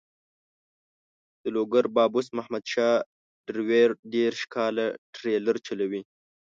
د لوګر بابوس محمد شاه ډریور دېرش کاله ټریلر چلوي.